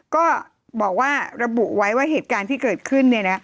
ก็บอกว่าระบุไว้ว่าเหตุการณ์ที่เกิดขึ้น